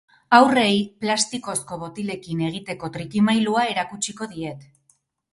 Haurrei plastikozko botilekin egiteko trikimailua erakutsiko diet.